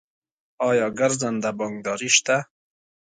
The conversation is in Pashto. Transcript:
آیا ګرځنده بانکداري شته؟